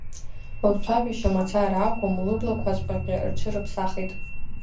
Лцәажәашьа мацара акәым, лыблақәаҵәҟьагьы рҽырыԥсахит.